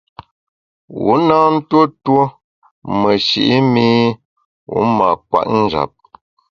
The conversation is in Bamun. Wu na ntuo tuo meshi’ mi wu mâ kwet njap.